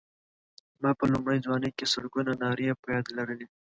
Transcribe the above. ما په لومړۍ ځوانۍ کې سلګونه نارې په یاد لرلې.